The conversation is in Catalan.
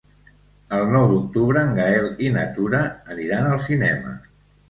El nou d'octubre en Gaël i na Tura aniran al cinema.